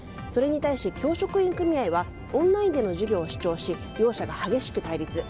それに対し、教職員組合はオンラインでの授業を主張し両者が激しく対立。